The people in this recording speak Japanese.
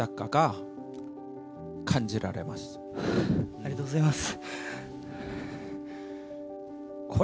ありがとうございます。